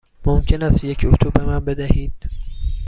ممکن است یک اتو به من بدهید؟